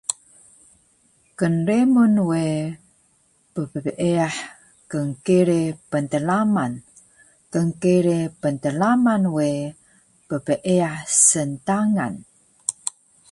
Knremun we ppeyah knkere pntlaman. Knkere pntlaman we ppeyah sntangan